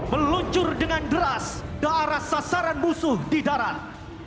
meluncur dengan deras ke arah sasaran musuh di darat